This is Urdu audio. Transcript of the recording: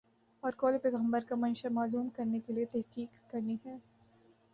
اور قولِ پیغمبر کا منشامعلوم کرنے کے لیے تحقیق کرنی ہے